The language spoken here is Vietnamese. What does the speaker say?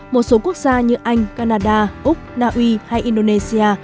một số quốc gia như anh canada úc naui hay indonesia